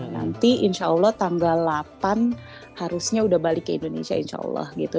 nanti insya allah tanggal delapan harusnya udah balik ke indonesia insya allah gitu